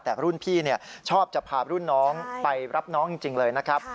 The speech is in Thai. แต่รุ่นพี่ชอบจะพารุ่นน้องไปรับน้องจริงเลยนะครับ